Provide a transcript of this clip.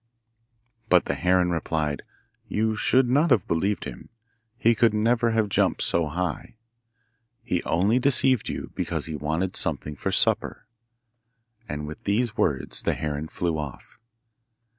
But the heron replied, 'You should not have believed him. He could never have jumped so high. He only deceived you because he wanted something for supper.' And with these words the heron flew off.